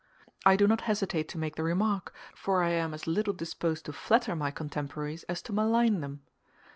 I do not hesitate to make the remark, for I am as little disposed to flatter my contemporaries as to malign them.